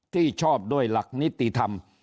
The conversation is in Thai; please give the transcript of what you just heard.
ที่ชอบด้วยหลักนิติธรรม